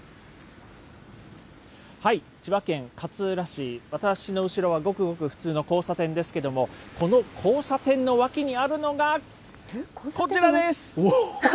千葉県勝浦市、私の後ろはごくごく普通の交差点ですけども、この交差点の脇にあるのが、こちらです。